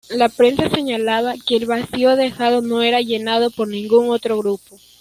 La prensa señalaba que el vacío dejado no era llenado por ningún otro grupo.